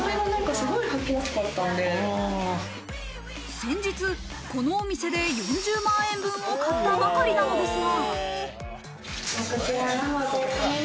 先日このお店で４０万円分を買ったばかりなのですが。